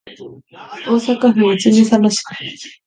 大阪府泉佐野市